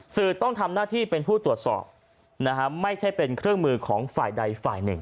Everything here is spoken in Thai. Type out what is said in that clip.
ต้องทำหน้าที่เป็นผู้ตรวจสอบนะฮะไม่ใช่เป็นเครื่องมือของฝ่ายใดฝ่ายหนึ่ง